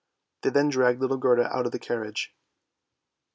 They then dragged little Gerda out of the carriage.